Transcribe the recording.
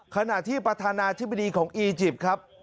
ขณะที่ประธานาธิบดีของอีจิปต์ครับ